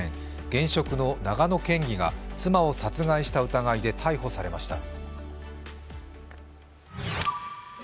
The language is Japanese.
現職の長野県議が妻を殺害した疑いで逮捕されました。